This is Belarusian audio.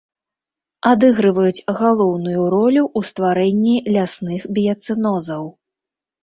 Адыгрываюць галоўную ролю ў стварэнні лясных біяцэнозаў.